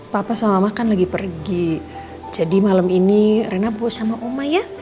papa sama mama kan lagi pergi jadi malam ini rena bu sama uma ya